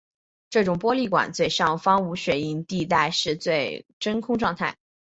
这时玻璃管最上方无水银地带是真空状态。